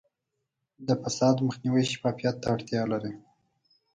د فساد مخنیوی شفافیت ته اړتیا لري.